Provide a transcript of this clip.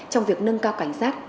trong việc nâng cao cảnh sát